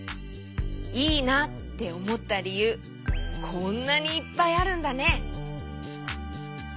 いいなっておもったりゆうこんなにいっぱいあるんだね。